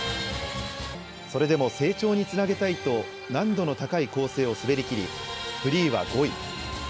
それでも成長につなげたいと難度の高い構成を滑りきりフリーは５位。